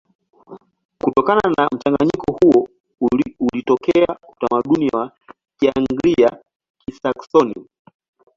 Kutokana na mchanganyiko huo ulitokea utamaduni wa Kianglia-Kisaksoni.